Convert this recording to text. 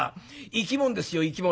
生き物ですよ生き物」。